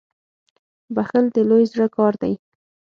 • بخښل د لوی زړه کار دی.